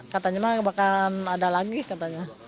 katanya bakalan ada lagi katanya